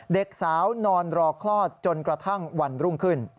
เด็กสาวนอนรอคลอดจนกระทั่งวันรุ่งขึ้น